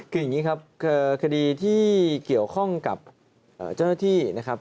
คืออย่างนี้ครับคือคดีที่เกี่ยวข้องกับเจ้าหน้าที่นะครับ